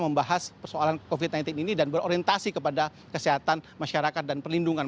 membahas persoalan covid sembilan belas ini dan berorientasi kepada kesehatan masyarakat dan perlindungan